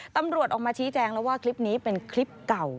ตำรวจออกมาชี้แจงแล้วว่าคลิปนี้เป็นคลิปเก่า